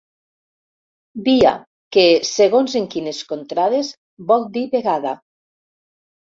Via que, segons en quines contrades, vol dir vegada.